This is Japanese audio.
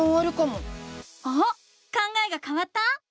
考えがかわった？